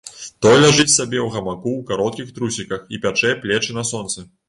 Той ляжыць сабе ў гамаку ў кароткіх трусіках і пячэ плечы на сонцы.